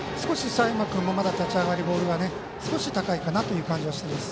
佐山、立ち上がり、ボールが少し高いかなという感じがします。